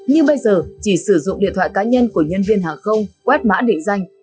nhưng bây giờ chỉ sử dụng điện thoại cá nhân của nhân viên hàng không quét mã định danh